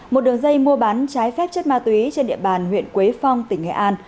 một đường dây mua bán trái phép chất ma túy trên địa bàn huyện quế phong tỉnh nghệ an